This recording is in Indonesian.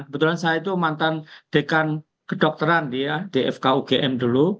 kebetulan saya itu mantan dekan kedokteran dia dfk ugm dulu